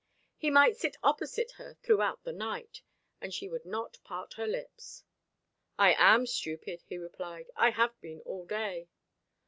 He might sit opposite her throughout the night, and she would not part her lips. "I am stupid," he replied. "I have been all day."